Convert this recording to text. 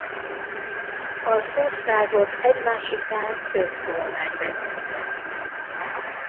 Az országot egymás után öt kormány vezette.